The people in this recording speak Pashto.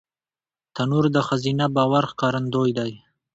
تنور د ښځینه باور ښکارندوی دی